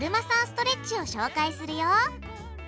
ストレッチを紹介するよ！